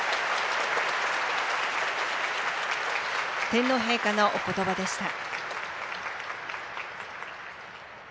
天皇陛下のおことばでした。